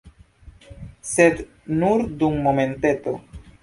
Sed nur dum momenteto.